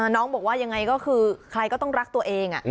น้องบอกว่ายังไงก็คือใครก็ต้องรักตัวเอง